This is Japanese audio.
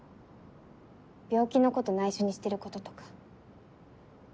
病気のこと内緒にしてることとか。